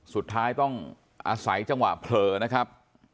สุดท้ายต้องอาศัยจังหวะเผลอนะครับ